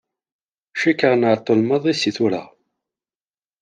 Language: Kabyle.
Cukkeɣ nεeṭṭel maḍi seg tura.